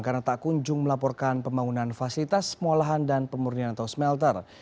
karena tak kunjung melaporkan pembangunan fasilitas semolahan dan pemurnian atau smelter